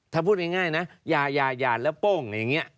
ถ้าพูดง่ายนะยายาแล้วโป้งอย่างนี้